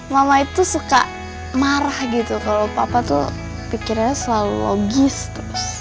mama itu suka marah gitu kalau papa tuh pikirannya selalu logis terus